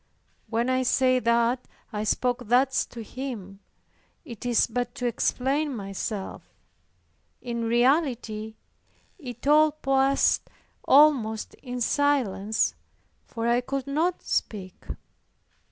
When I say that I spoke thus to Him, it is but to explain myself. In reality, it all passed almost in silence, for I could not speak.